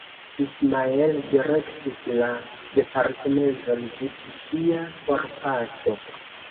Ismael direktis la departementon ĝis sia forpaso.